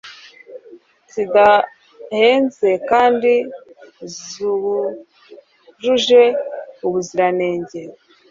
zidahenze kandi zujuje ubuziranenge